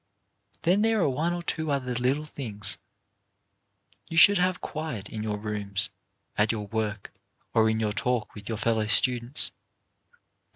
Then there are one or two other little things. You should have quiet in your rooms, at your work or in your talk with your fellow students.